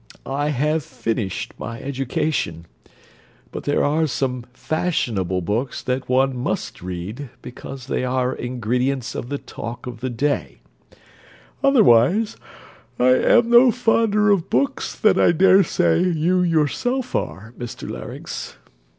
I have finished my education. But there are some fashionable books that one must read, because they are ingredients of the talk of the day; otherwise, I am no fonder of books than I dare say you yourself are, Mr Larynx.